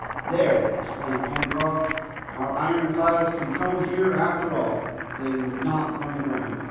"There," exclaimed Pencroft, "our iron clads can come here after all! They would not run aground!"